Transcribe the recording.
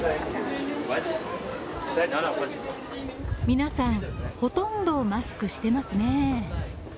皆さん、ほとんどマスクしてますね。